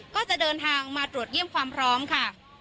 ก็จะเดินทางมาตรวจเยี่ยมความพร้อมค่ะ